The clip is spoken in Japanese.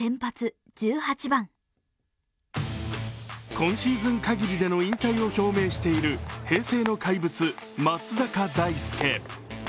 今シーズン限りでの引退を表明している平成の怪物・松坂大輔。